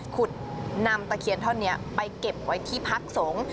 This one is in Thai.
ขุดนำตะเคียนท่อนนี้ไปเก็บไว้ที่พักสงฆ์